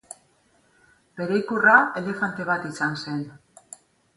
Bere ikurra elefante bat izan zen.